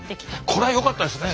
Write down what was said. これはよかったですね。